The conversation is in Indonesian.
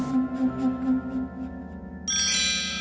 kau akan menemukan surat yang akan saya lakukan